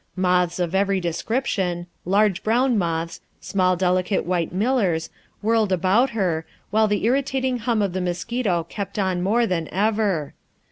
Moths of every description large brown moths, small, delicate white millers whirled about her, while the irritating hum of the mosquito kept on more than ever.